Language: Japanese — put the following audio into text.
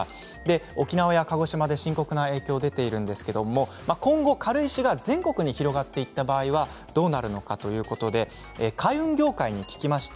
沖縄や鹿児島で深刻な影響が出てるんですが今後、軽石が全国に広がっていった場合はどうなるかということで海運業界に聞きました。